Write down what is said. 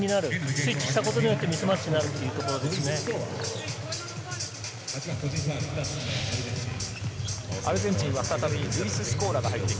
スイッチしたことによってミスマッチになるというこ